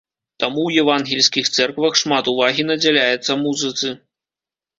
Таму ў евангельскіх цэрквах шмат увагі надзяляецца музыцы.